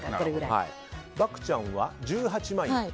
漠ちゃんは１８万円。